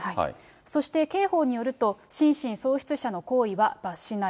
そして刑法によると、心神喪失者の行為は罰しない。